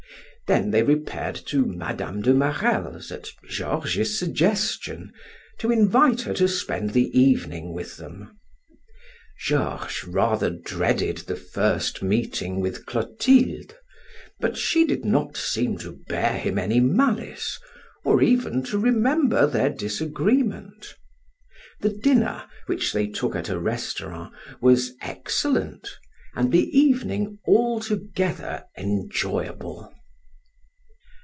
Then they repaired to Mme, de Marelle's at Georges' suggestion, to invite her to spend the evening with them. Georges rather dreaded the first meeting with Clotilde, but she did not seem to bear him any malice, or even to remember their disagreement. The dinner, which they took at a restaurant, was excellent, and the evening altogether enjoyable.